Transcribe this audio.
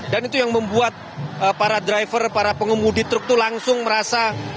dan itu yang membuat para driver para pengemudi truk itu langsung merasa